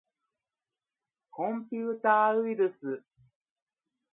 コンピューターウイルス